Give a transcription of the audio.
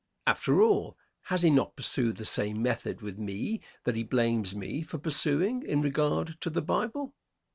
After all, has he not pursued the same method with me that he blames me for pursuing in regard to the Bible?